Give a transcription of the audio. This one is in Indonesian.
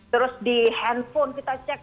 terus di handphone kita cek